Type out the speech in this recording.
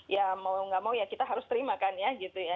ya mau nggak mau ya kita harus terima kan ya gitu ya